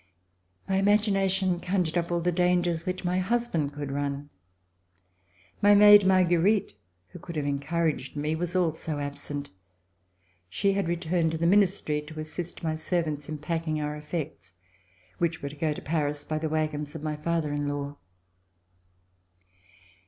My imagina tion conjured up all the dangers which my husband could run. My maid. Marguerite, who could have encouraged me, was also absent. She had returned to the Ministry to assist my servants in packing our effects, which were to go to Paris by the wagons of my father in law.